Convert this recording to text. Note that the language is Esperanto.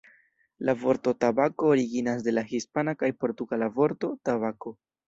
La vorto tabako originas de la hispana kaj portugala vorto "tabako".